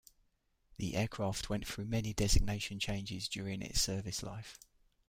The aircraft went through many designation changes during its service life.